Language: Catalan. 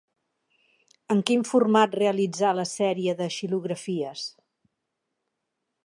En quin format realitzà la sèrie de xilografies?